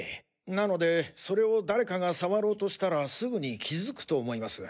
なのでそれを誰かが触ろうとしたらすぐに気づくと思います。